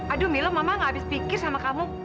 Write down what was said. aduh milo mama gak habis pikir sama kamu